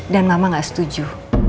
dan mama gak setuju